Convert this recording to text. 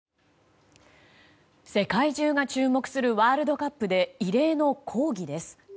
世界中が注目するワールドカップで異例の抗議です。